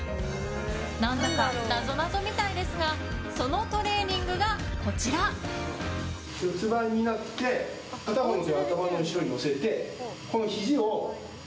何だか、なぞなぞみたいですがそのトレーニングがこちら。ということでやってみると。